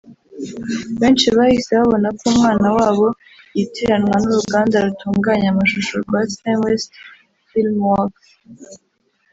benshi bahise babona ko umwana wabo yitiranwa n’uruganda rutunganya amashusho rwa Saint West FilmWorks